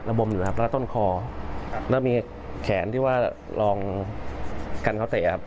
ระบมอยู่นะครับแล้วต้นคอครับแล้วมีแขนที่ว่าลองกันเขาเตะอ่ะ